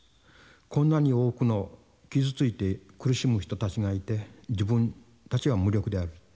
「こんなに多くの傷ついて苦しむ人たちがいて自分たちは無力である。